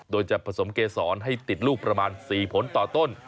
โดยจะผสมเกษรให้ติดลูกประมาณ๔ผลต่อต้น